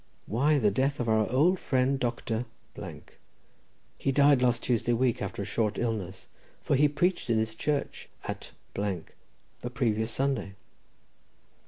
Why, the death of our old friend Dr. —. He died last Tuesday week, after a short illness, for he preached in his church at the previous Sunday."